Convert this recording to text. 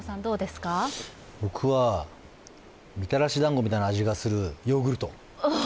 僕は、みたらし団子みたいな味がするヨーグルト。